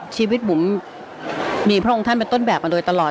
ชีวิตบุ๋มมีพระองค์ท่านเป็นต้นแบบมาโดยตลอด